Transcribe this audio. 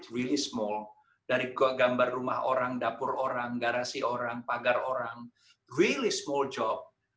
really small dari gambar rumah orang dapur orang garasi orang pagar orang really small job